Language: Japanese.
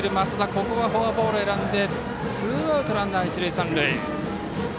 ここはフォアボールを選んでツーアウトランナー、一塁三塁。